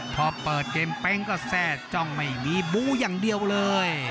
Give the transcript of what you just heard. พอเปิดเกมเป๊งก็แทร่จ้องไม่มีบู้อย่างเดียวเลย